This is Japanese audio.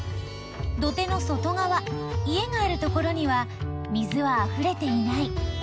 土手の外がわ家があるところには水はあふれていない。